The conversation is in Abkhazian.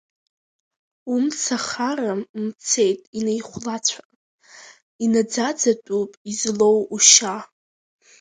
Умцахара мцеит инеихәлацәа, инаӡаӡатәуп излоу ушьа.